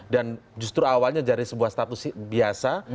dan justru awalnya dari sebuah status biasa